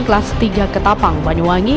kelas tiga ketapang banyuwangi